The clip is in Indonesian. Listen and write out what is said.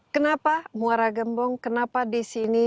kenapa muara gembong kenapa di sini